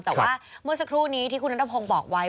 แต่ว่าเมื่อสักครู่นี้ที่คุณนัทพงศ์บอกไว้